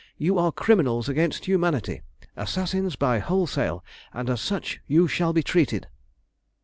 You are criminals against humanity, assassins by wholesale, and as such you shall be treated."